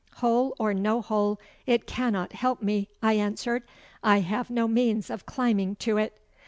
'Hole or no hole, it cannot help me,' I answered. 'I have no means of climbing to it.